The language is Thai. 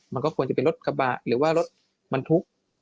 มันก็ควรจะเป็นรถกระบะหรือว่ารถบรรทุก